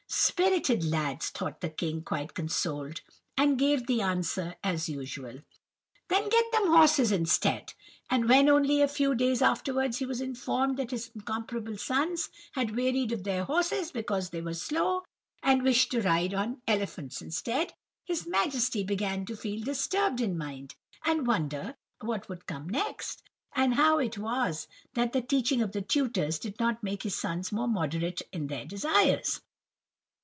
"'Spirited lads!' thought the king, quite consoled, and gave the answer as usual:— "'Then get them horses instead.' But when only a few days afterwards he was informed that his incomparable sons had wearied of their horses, because they also were 'slow,' and wished to ride on elephants instead, his Majesty began to feel disturbed in mind, and wonder what would come next, and how it was that the teaching of the tutors did not make his sons more moderate in their desires.